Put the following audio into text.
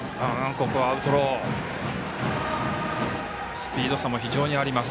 スピード差もあります。